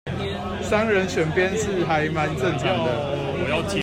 商人選邊是還蠻正常的